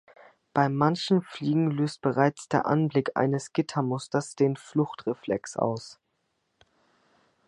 Bei manchen Fliegen löst bereits der Anblick eines Gittermusters den Fluchtreflex aus.